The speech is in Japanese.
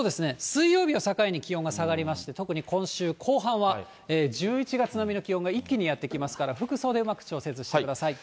水曜日を境に、気温が下がりまして、特に今週後半は、１１月並みの気温が一気にやって来ますから、服装でうまく調節してください。